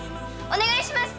お願いします！